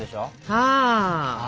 はあ！